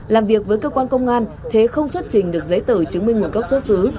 làm việc với cơ quan công an thế không xuất trình được giấy tờ chứng minh nguồn gốc xuất xứ